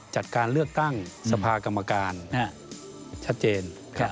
จัดการเลือกตั้งสภากรรมการชัดเจน